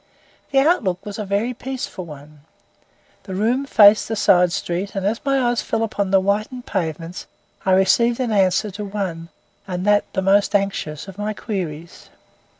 The outlook was a very peaceful one. This room faced a side street, and, as my eyes fell upon the whitened pavements, I received an answer to one, and that the most anxious, of my queries.